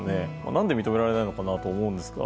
何で認められないのかなと思うんですが。